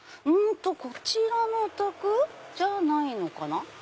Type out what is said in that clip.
こちらのお宅じゃないのかな。